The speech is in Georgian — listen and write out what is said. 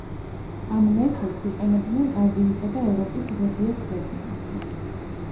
ამ მეთოდს იყენებდნენ აზიისა და ევროპის ზოგიერთ რეგიონში.